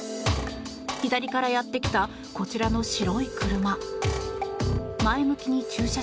左からやってきたこちらの白い車。